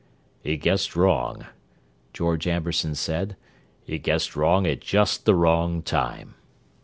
"He guessed wrong," George Amberson said. "He guessed wrong at just the wrong time!